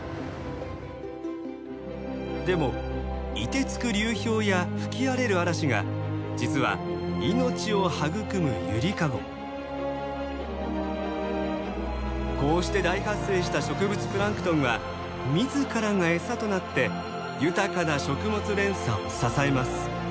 でもいてつく流氷や吹き荒れる嵐が実はこうして大発生した植物プランクトンは自らが餌となって豊かな食物連鎖を支えます。